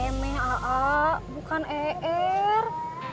emet aa bukan er